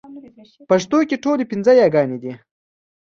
پښتو کې ټولې پنځه يېګانې دي